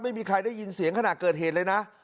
ไม่มีใครได้ยินเสียงขณะเกิดเหตุเลยนะ